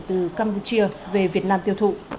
từ campuchia về việt nam tiêu thụ